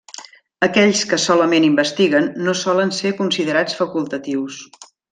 Aquells que solament investiguen no solen ser considerats facultatius.